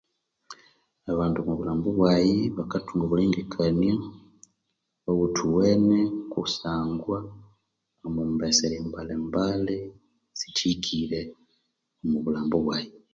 Abandu omwa bulhambu bwayi bakathunga obulengekania obuthuwene kusangwa omumbesa eryambalha embali sikyihikire omu bulhambo bwayi